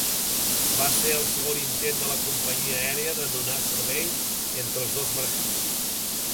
Va ser el segon intent de la companyia aèria de donar servei entre els dos mercats.